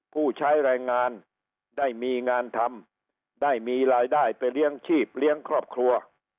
ผู้ใช้แรงงานได้มีงานทำได้มีรายได้ไปเลี้ยงชีพเลี้ยงครอบครัว